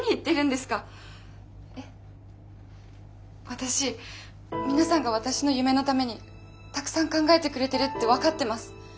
私皆さんが私の夢のためにたくさん考えてくれてるって分かってます！